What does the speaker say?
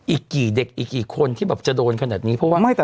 อีกกี่เด็กอีกกี่คนที่แบบจะโดนขนาดนี้เพราะว่า